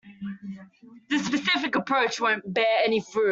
This specific approach won't bear any fruit.